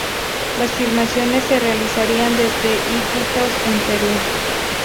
Las filmaciones se realizarían desde Iquitos en Perú.